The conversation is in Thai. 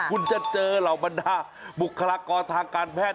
คุณจะเจอเหล่าบรรดาบุคลากรทางการแพทย์